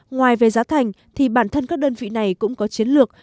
ngoài về giá thành thì bản thân các đơn vị này cũng có chiến lược